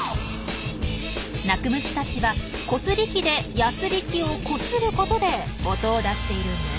鳴く虫たちはコスリ器でヤスリ器をこすることで音を出しているんです。